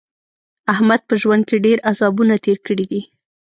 احمد په ژوند کې ډېر عذابونه تېر کړي دي.